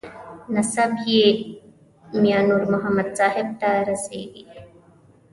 نسب یې میانور محمد صاحب ته رسېږي.